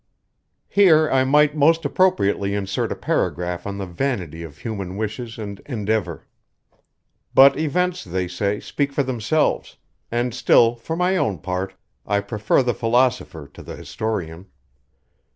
Here I might most appropriately insert a paragraph on the vanity of human wishes and endeavor. But events, they say, speak for themselves; and still, for my own part, I prefer the philosopher to the historian.